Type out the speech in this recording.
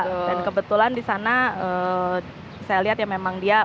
dan kebetulan disana saya lihat ya memang dia